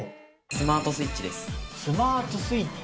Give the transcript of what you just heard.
スマートスイッチ？